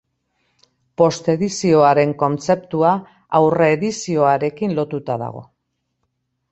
Post-edizioaren kontzeptua aurre-edizioarekin lotuta dago.